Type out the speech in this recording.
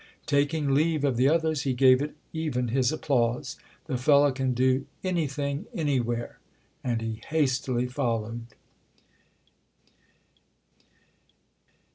Taking leave of the others he gave it even his applause. "The fellow can do anything anywhere!" And he hastily followed.